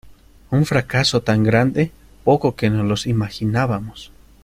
Un fracaso tan grande poco que nos lo imaginábamos.